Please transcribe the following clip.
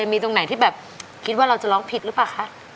มีตรงไหนที่แบบคิดว่าเราจะร้องผิดหรือเปล่าคะ